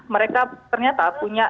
mereka ternyata punya